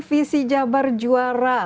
visi jabar juara